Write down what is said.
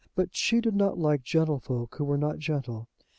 But she did not like gentlefolk who were not gentle.